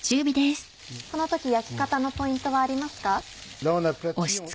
この時焼き方のポイントはありますか？